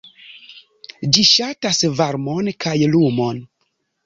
Ĝi ŝatas varmon kaj lumon.